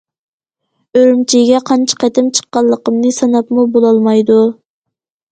ئۈرۈمچىگە قانچە قېتىم چىققانلىقىنى ساناپمۇ بولالمايدۇ.